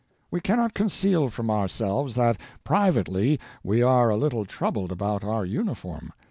We cannot conceal from ourselves that, privately, we are a little troubled about our uniform.